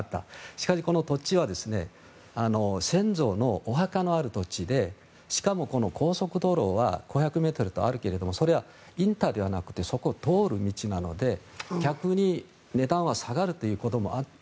しかし、この土地は先祖のお墓のある土地でしかもこの高速道路は５００ｍあるけれどもそれはインターではなくてそこを通る道なので逆に値段は下がるということもあった。